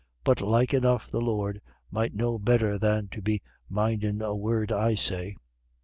"But like enough the Lord might know better than to be mindin' a word I say."